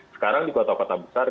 sekarang di kota kota besar